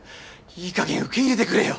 いい加減受け入れてくれよ。